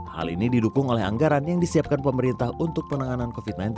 hal ini didukung oleh anggaran yang disiapkan pemerintah untuk penanganan covid sembilan belas